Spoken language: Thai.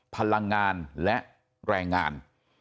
พลังงานและแรงงาน